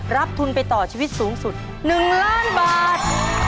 รับทุนไปต่อชีวิตสูงสุด๑ล้านบาท